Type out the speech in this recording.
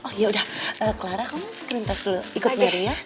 oh yaudah clara kamu screen test dulu ikut nyari ya